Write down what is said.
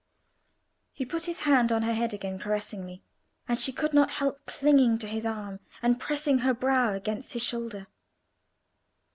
He put his hand on her head again caressingly, and she could not help clinging to his arm, and pressing her brow against his shoulder.